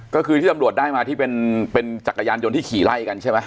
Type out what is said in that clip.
ก็คือที่ตำรวจได้มาที่เป็นจักรยานยนต์ที่ขี่ไล่กันใช่ไหม